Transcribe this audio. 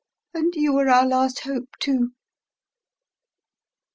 And you were our last hope, too!"